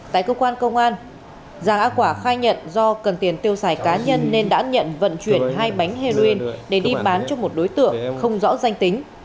tại cơ quan công an giàng a quả khai nhận do cần tiền tiêu xài cá nhân nên đã nhận vận chuyển hai bánh heroin để đi bán cho một đối tượng không rõ danh tính